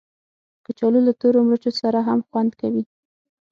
کچالو له تورو مرچو سره هم خوند کوي